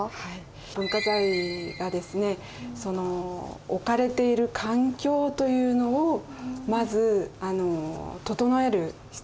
文化財がですね置かれている環境というのをまず整える必要があります。